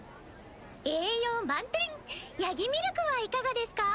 栄養満点ヤギミルクはいかがですか？